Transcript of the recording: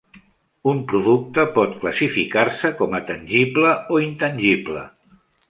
Un producte pot classificar-se com a tangible o intangible.